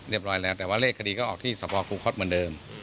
ร้อยแล้วแต่ว่าเลขคดีก็ออกที่สภคูคศเหมือนเดิม